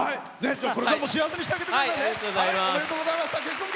これからも幸せにしてあげてくださいね。